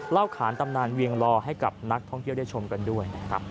ขานตำนานเวียงลอให้กับนักท่องเที่ยวได้ชมกันด้วยนะครับ